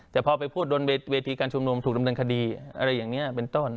แต่พอไปพูดบนเวทีการชุมนุมถูกดำเนินคดีอะไรอย่างนี้เป็นต้น